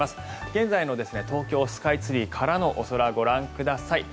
現在の東京スカイツリーからのお空、ご覧ください。